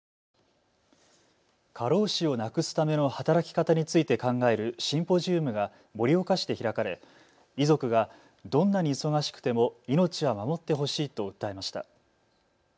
過労死をなくすための働き方について考えるシンポジウムが盛岡市で開かれ遺族がどんなに忙しくても命は守ってほしいと訴えました。